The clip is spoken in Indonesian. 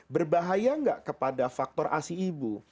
berbahaya nggak kepada faktor asi ibu